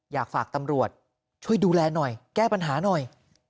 อยากฝากตำรวจช่วยดูแลหน่อยแก้ปัญหาหน่อย